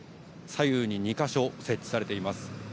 左右に２か所、設置されています。